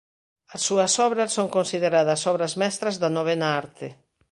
As súas obras son consideradas obras mestras da novena arte.